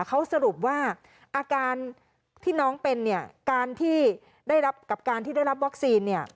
เขาสรุปว่าอาการที่น้องเป็นกับการที่ได้รับวัคซีน